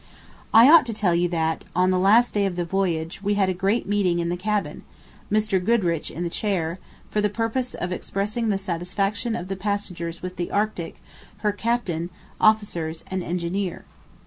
I ought to tell you that, on the last day of the voyage, we had a great meeting in the cabin, Mr. Goodrich in the chair, for the purpose of expressing the satisfaction of the passengers with the Arctic, her captain, officers, and engineer.